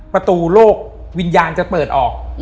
ประตูโลกวิญญาณจะเปิดออก